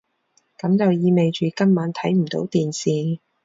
噉就意味住今晚睇唔到電視